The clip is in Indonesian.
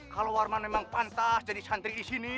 kalau warman memang pantas jadi santri di sini